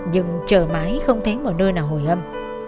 nhưng chờ mãi không thấy một nơi nào hồi âm